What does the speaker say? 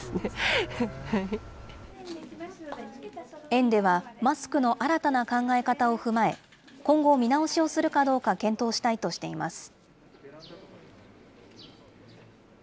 園ではマスクの新たな考え方を踏まえ、今後、見直しをするかどうか検討したいとしています。